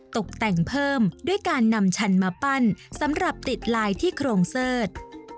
ตกแต่งเพิ่มด้วยการนำชันมาปั้นสำหรับติดลายที่โครงเสิร์ช